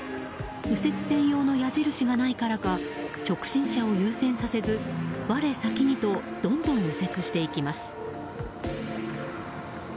右折専用の矢印がないからか直進車を優先させず我先にとどんどん右折していきます。